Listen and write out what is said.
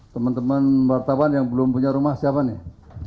teman teman wartawan yang belum punya rumah siapa nih